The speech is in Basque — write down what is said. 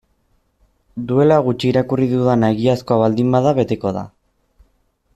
Duela gutxi irakurri dudana egiazkoa baldin bada beteko da.